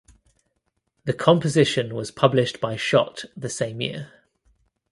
The composition was published by Schott the same year.